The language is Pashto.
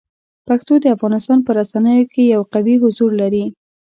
پښتو د افغانستان په رسنیو کې یو قوي حضور لري.